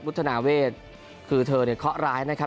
ธนาเวทคือเธอเนี่ยเคาะร้ายนะครับ